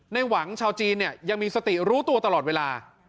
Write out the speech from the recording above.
หวังชาวจีนเนี่ยยังมีสติรู้ตัวตลอดเวลา